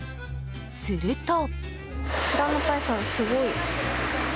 すると。